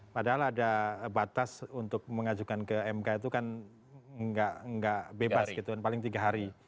padahal ada batas untuk mengajukan ke mk itu kan nggak bebas gitu kan paling tiga hari